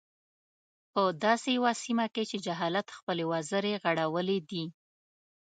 په همداسې يوه سيمه کې چې جهالت خپلې وزرې غوړولي دي.